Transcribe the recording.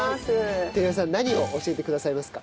光世さん何を教えてくださいますか？